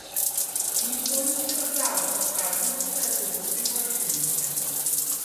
Никто не дерзал отказываться от его приглашения.